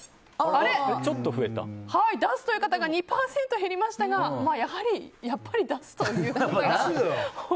出すという方が２％減りましたがやはり出すということで。